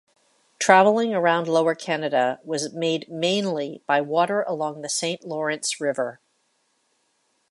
Traveling around Lower Canada was made mainly by water along the Saint Lawrence River.